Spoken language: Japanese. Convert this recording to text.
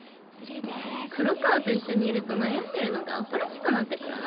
黒川と一緒にいると悩んでるのがアホらしくなって来るな。